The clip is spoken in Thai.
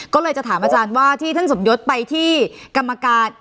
ก็เลยจะถามอาจารย์ว่าที่ท่านสมยศไปที่กรรมการ